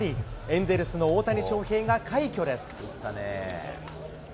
エンゼルスの大谷翔平が快挙です。